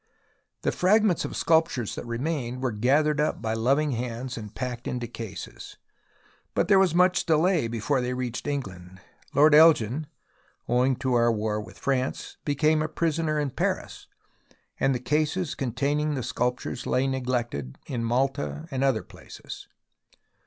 The fragments of sculptures that remained were gathered up by loving hands and packed into cases. But there was much delay before they reached England. Lord Elgin, owing to our war with France, became a prisoner in Paris, and the cases containing the sculptures lay neglected in Malta and other places.